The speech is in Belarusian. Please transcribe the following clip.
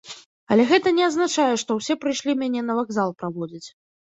Але гэта не азначае, што ўсе прыйшлі мяне на вакзал праводзіць.